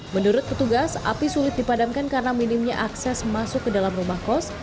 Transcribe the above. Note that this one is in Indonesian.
menurut petugas api sulit dipadamkan karena minimnya akses masuk ke dalam rumah kos